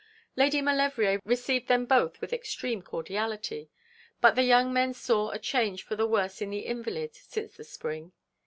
Lady Maulevrier received them both with extreme cordiality. But the young men saw a change for the worse in the invalid since the spring.